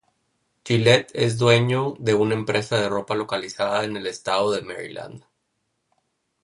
Gillette es dueño de una empresa de ropa localizada en el estado de Maryland.